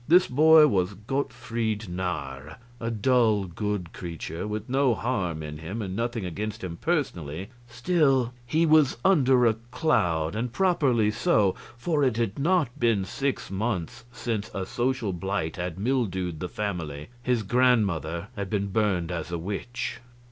This boy was Gottfried Narr, a dull, good creature, with no harm in him and nothing against him personally; still, he was under a cloud, and properly so, for it had not been six months since a social blight had mildewed the family his grandmother had been burned as a witch.